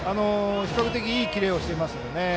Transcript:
比較的いいキレをしています。